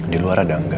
di luar ada angga